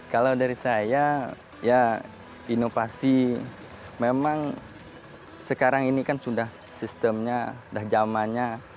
kalau dari saya ya inovasi memang sekarang ini kan sudah sistemnya sudah zamannya